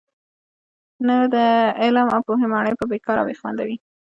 نو د علم او پوهي ماڼۍ به بې کاره او بې خونده وي.